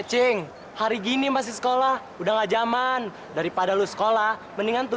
coaching hari gini masih sekolah udah gak zaman daripada lu sekolah mendingan tuh